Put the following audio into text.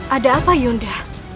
ada apa yunda